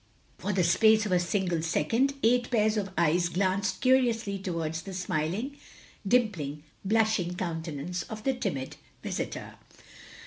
For the space of a single second, eight pairs of eyes glanced curiously towards the smiling, dimpling, blushing cotmtenance of the timid visitor.